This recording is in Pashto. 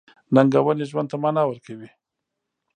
• ننګونې ژوند ته مانا ورکوي.